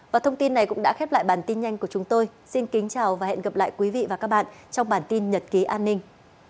và thông tin này cũng đã khép lại bản tin nhanh của chúng tôi xin kính chào và hẹn gặp lại quý vị và các bạn trong bản tin nhật ký an ninh